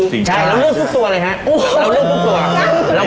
จริงจังใช่เราเลือกทุกตัวเลยฮะโอ้โหเราเลือกทุกตัว